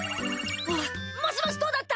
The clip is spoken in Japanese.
もしもしどうだった？